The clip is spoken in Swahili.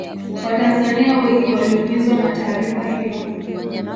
watanzania wengi waliumizwa na taarifa hiyo